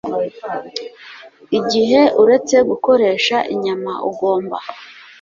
Igihe uretse gukoresha inyama, ugomba